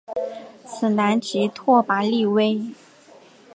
此男即拓跋力微。